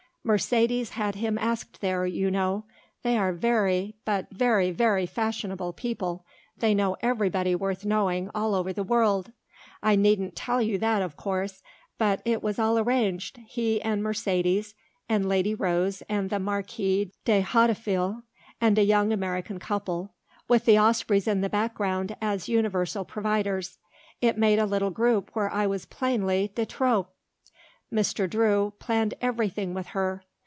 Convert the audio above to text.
Mercedes had him asked there, you know; they are very, but very, very fashionable people, they know everybody worth knowing all over the world. I needn't tell you that, of course. But it was all arranged, he and Mercedes, and Lady Rose and the Marquis de Hautefeuille, and a young American couple with the Aspreys in the background as universal providers it made a little group where I was plainly de trop. Mr. Drew planned everything with her.